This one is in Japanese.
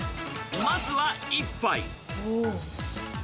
まずは１杯。